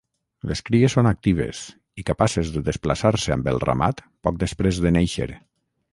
Les cries són actives i capaces de desplaçar-se amb el ramat poc després de néixer.